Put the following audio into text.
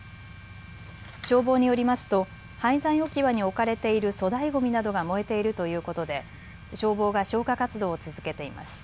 消防によりますと廃材置き場に置かれている粗大ごみなどが燃えているということで消防が消火活動を続けています。